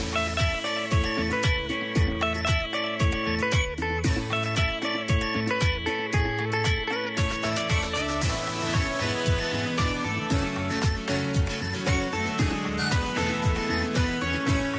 โปรดติดตามตอนต่อไป